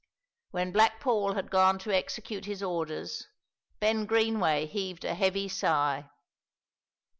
When Black Paul had gone to execute his orders, Ben Greenway heaved a heavy sigh.